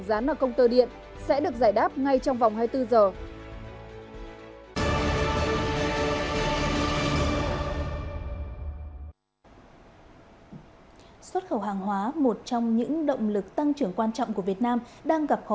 gián ở công tơ điện sẽ được giải đáp ngay trong vòng hai mươi bốn giờ